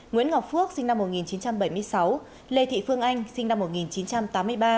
nguyễn ngọc phước sinh năm một nghìn chín trăm bảy mươi sáu lê thị phương anh sinh năm một nghìn chín trăm tám mươi ba